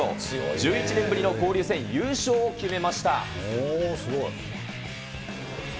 １１年ぶりの交流戦優勝を決めますごい。